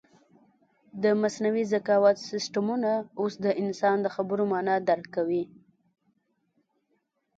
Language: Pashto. د مصنوعي ذکاوت سیسټمونه اوس د انسان د خبرو مانا درک کوي.